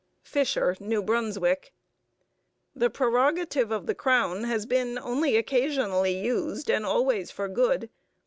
FISHER (New Brunswick) The prerogative of the crown has been only occasionally used and always for good.